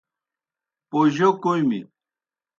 پوجو کوْمیْ۔